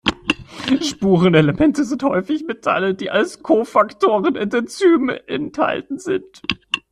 Spurenelemente sind häufig Metalle, die als Cofaktoren in Enzymen enthalten sind.